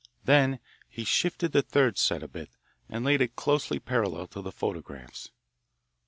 Then he shifted the third set a bit, and laid it closely parallel to the photographs.